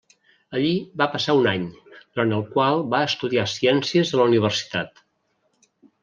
Allí va passar un any, durant el qual va estudiar ciències a la universitat.